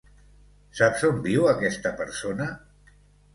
Saps on viu aquesta persona?